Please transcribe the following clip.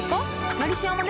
「のりしお」もね